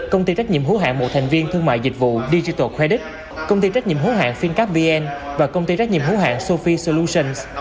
công ty trách nhiệm hữu hạng một thành viên thương mại dịch vụ digital credit công ty trách nhiệm hữu hạng fincap vn và công ty trách nhiệm hữu hạng sophie solutions